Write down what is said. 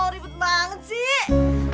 ripe banget sih